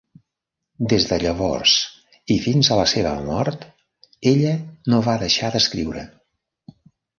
Des de llavors i fins a la seva mort, ella no va deixar d'escriure.